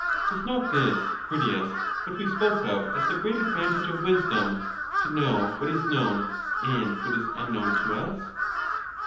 Was not this, Critias, what we spoke of as the great advantage of wisdom — to know what is known and what is unknown to us?